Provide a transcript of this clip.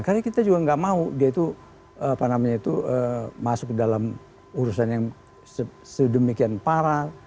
karena kita juga tidak mau dia itu apa namanya itu masuk dalam urusan yang sedemikian parah